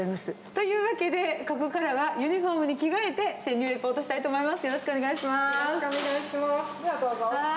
というわけで、ここからはユニホームに着替えて潜入リポートしたいと思います。